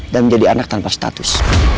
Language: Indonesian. dan menjadi anak tanpa status